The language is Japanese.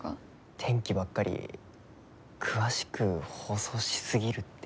天気ばっかり詳しく放送しすぎるって。